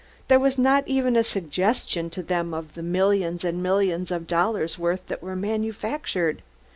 There was not even a suggestion to them of the millions and millions of dollars' worth that were manufactured.